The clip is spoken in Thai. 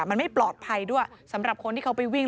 มันไม่ปลอดภัยด้วยสำหรับคนที่เขาไปวิ่ง